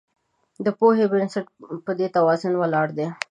د پوهې بنسټ په دې توازن ولاړ دی.